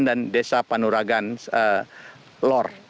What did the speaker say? dan desa panuragan lor